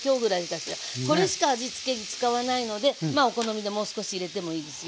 これしか味つけ使わないのでお好みでもう少し入れてもいいですよ。